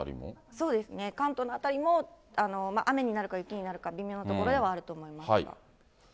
そうですね、関東の辺りも雨になるか雪になるか微妙なところではあると思います。